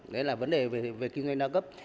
đấy là vấn đề về kinh doanh đa cấp